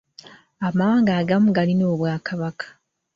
Amawanga agamu galina obw'akabaka.